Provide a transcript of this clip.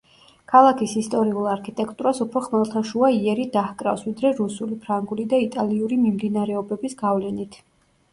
ქალაქის ისტორიულ არქიტექტურას უფრო ხმელთაშუა იერი დაჰკრავს ვიდრე რუსული, ფრანგული და იტალიური მიმდინარეობების გავლენით.